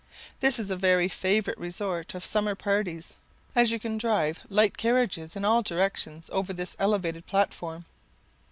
This is a very favourite resort of summer parties, as you can drive light carriages in all directions over this elevated platform.